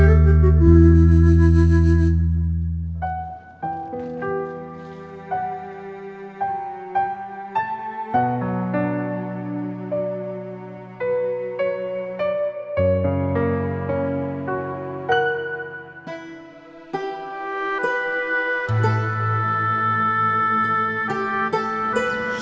jadi hanya boleh dikulik sekarang dong